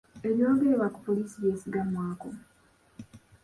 Ebyogerebwa ku poliisi byesigamwako?